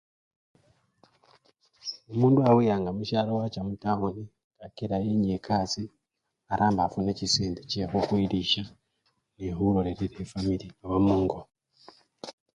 Omundu awuyanga musyalo wacha mutawuni, kakila enya ekasii arambe afune chisende chekhukhwilisha nekhulolelela efamily oba mungo.